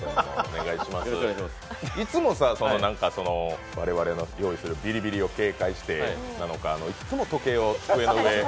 いつも我々の用意するビリビリを警戒してなのかいっっも時計を机の上。